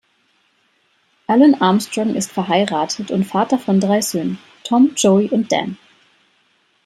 Alun Armstrong ist verheiratet und Vater von drei Söhnen: Tom, Joe und Dan.